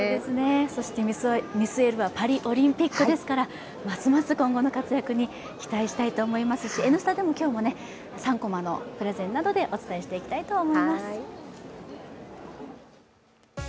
そして見据えるはパリオリンピックですからますます今後の活躍に期待したいと思いますし「Ｎスタ」でも今日も、「３コマ」のプレゼンなどでもお伝えしていきたいと思います。